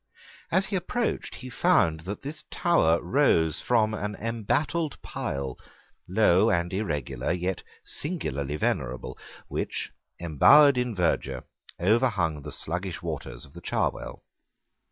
As he approached he found that this tower rose from an embattled pile, low and irregular, yet singularly venerable, which, embowered in verdure, overhung the slugish waters of the Cherwell.